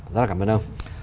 rất là cảm ơn ông